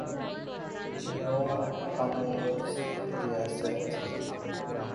نو آموز ریاست تھی۔